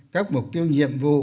các mục tiêu nhiệm vụ